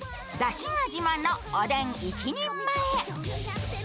だしが自慢のおでん一人前。